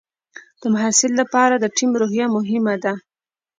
د محصل لپاره د ټیم روحیه مهمه ده.